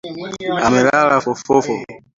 Amelala fofofo